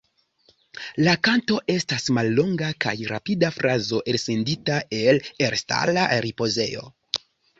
La kanto estas mallonga kaj rapida frazo elsendita el elstara ripozejo.